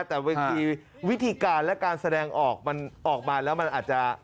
แต่เวทีวิธีการและการแสดงออกมันออกมาแล้วมันอาจจะ